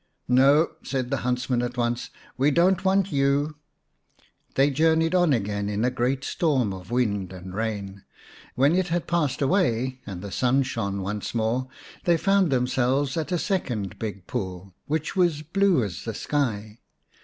" No," said the huntsmen at once, " we don't want you." They journeyed on again in a great storm of wind and rain. When it had passed away, and the sun shone once more, they found themselves at a second big pool, which was blue as the sky.